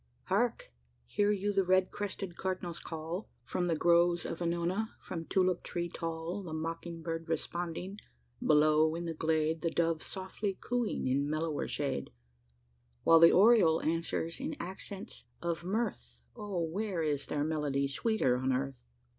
Hark! hear you the red crested cardinal's call From the groves of annona? from tulip tree tall The mock bird responding? below, in the glade, The dove softly cooing in mellower shade While the oriole answers in accents of mirth? Oh, where is there melody sweeter on earth?